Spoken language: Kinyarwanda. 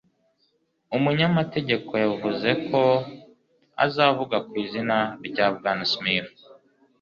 umunyamategeko yavuze ko azavuga mu izina rya bwana smith